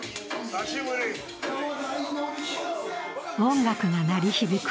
音楽が鳴り響く